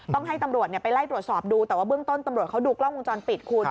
ต้องให้ตำรวจไปไล่ตรวจสอบดูแต่ว่าเบื้องต้นตำรวจเขาดูกล้องวงจรปิดคุณ